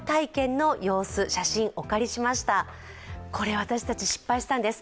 私たち、失敗したんです。